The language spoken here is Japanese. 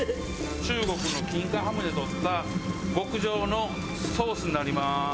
中国の金華ハムでとった極上のソースになります。